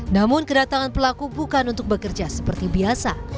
namun kedatangan pelaku bukan untuk bekerja seperti biasa